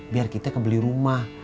biar kita kebeli rumah